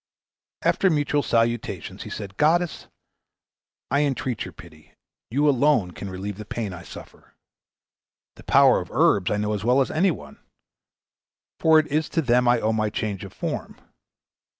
After mutual salutations, he said, "Goddess, I entreat your pity; you alone can relieve the pain I suffer. The power of herbs I know as well as any one, for it is to them I owe my change of form.